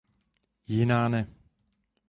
Jiná ne.